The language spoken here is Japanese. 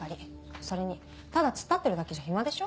それにただ突っ立ってるだけじゃ暇でしょ？